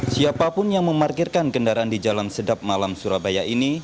siapapun yang memarkirkan kendaraan di jalan sedap malam surabaya ini